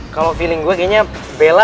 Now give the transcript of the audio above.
kalo feeling gua kayaknya bela